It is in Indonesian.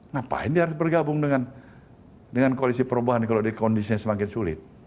ngapain dia harus bergabung dengan koalisi perubahan kalau kondisinya semakin sulit